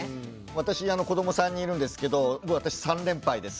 私子ども３人いるんですけど私３連敗です。